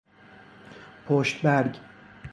پشت برگ